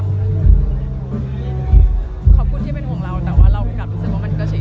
เออขอบคุณที่เป็นห่วงเราแต่เรากลับรู้สึกมันก็เฉย